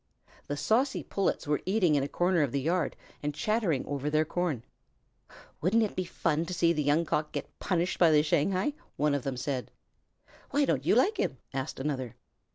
The saucy Pullets were eating in a corner of the yard and chattering over their corn. "Wouldn't it be fun to see the Young Cock get punished by the Shanghai?" one of them said. "Why don't you like him?" asked another.